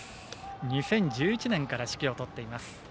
２０１１年から指揮を執っています。